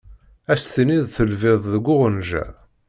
Ad s-tiniḍ telbiḍ deg uɣenǧa.